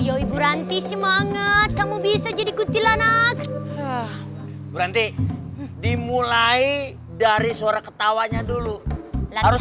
ayo ibu ranti semangat kamu bisa jadi kuntilanak berhenti dimulai dari suara ketawanya dulu harus